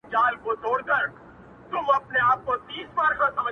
چي مات سې _ مړ سې تر راتلونکي زمانې پوري _